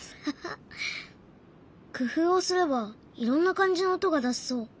工夫をすればいろんな感じの音が出せそう。